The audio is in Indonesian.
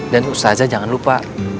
dan ustazah jangan lupa